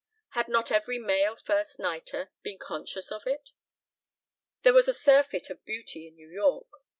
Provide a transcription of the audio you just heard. Had not every male first nighter been conscious of it? There was a surfeit of beauty in New York.